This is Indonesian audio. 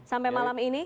sampai malam ini